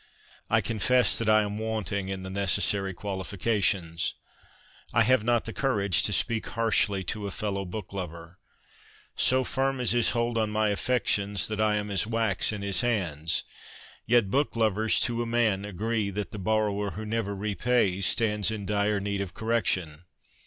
I confess that I am wanting in the necessary qualifi cations. I have not the courage to speak harshly to a fellow book lover. So firm is his hold on my affections that I am as wax in his hands. Yet book lovers to a man agree that the borrower who never repays stands in dire need of correction.